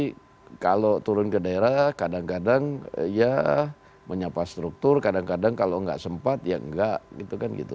tapi kalau turun ke daerah kadang kadang ya menyapa struktur kadang kadang kalau nggak sempat ya enggak gitu kan gitu